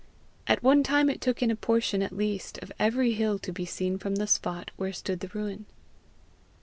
At one time it took in a portion at least of every hill to be seen from the spot where stood the ruin.